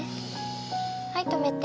はい止めて。